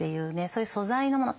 そういう素材のもの。